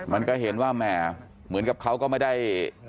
มันก็เห็นว่าแหมเหมือนกับเขาก็ไม่ได้